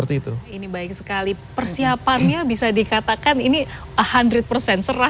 ini baik sekali persiapannya bisa dikatakan ini undrate persen